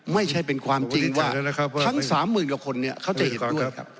ไม่ใช่เป็นความจริงว่าทั้งสามหมื่นละคนเนี่ยเขาจะเห็นด้วยครับ